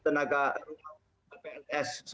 tenaga rumah plts